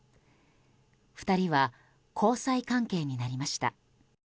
２人は交際関係になりました。